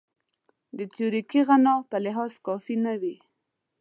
د تیوریکي غنا په لحاظ کافي نه وي.